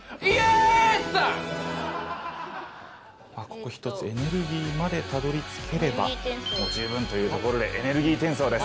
ここひとつエネルギーまでたどり着ければもう十分というところでエネルギー転送です。